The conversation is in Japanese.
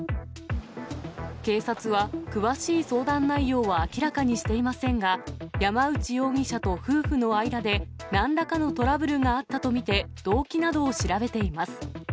警察は詳しい相談内容は明らかにしていませんが、山内容疑者と夫婦の間でなんらかのトラブルがあったと見て、動機などを調べています。